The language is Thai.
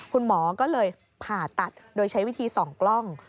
คุณหมอก็เลยผ่าตัดโดยใช้วิธีส่องกล้อง